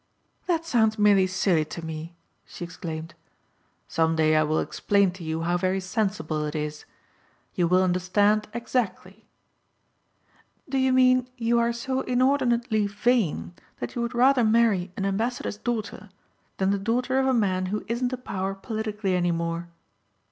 "That sounds merely silly to me," she exclaimed. "Someday I will explain to you how very sensible it is. You will understand exactly." "Do you mean you are so inordinately vain you would rather marry an ambassador's daughter than the daughter of a man who isn't a power politically any more?"